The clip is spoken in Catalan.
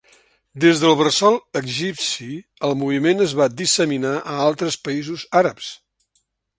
Des del bressol egipci, el moviment es va disseminar a altres països àrabs.